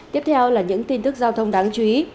tiếp theo là những tin tức giao thông đáng chú ý